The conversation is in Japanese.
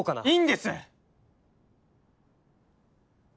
いいんです！